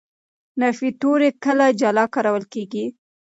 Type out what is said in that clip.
نفي توري کله جلا کارول کېږي.